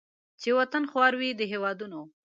چې وطن خوار وي د هیوادونو